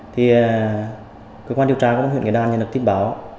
thì cơ quan điều tra của lãnh đạo huyện nghĩa đàn nhân lực tiết báo